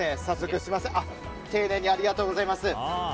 丁寧にありがとうございます。